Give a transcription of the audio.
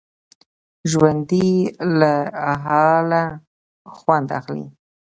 ژوندي له حاله خوند اخلي